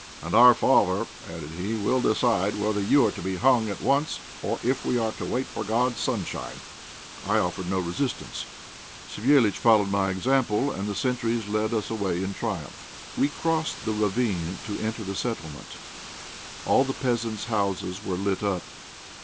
"And our father," added he, "will decide whether you are to be hung at once or if we are to wait for God's sunshine!" I offered no resistance. Savéliitch followed my example, and the sentries led us away in triumph. We crossed the ravine to enter the settlement. All the peasants' houses were lit up.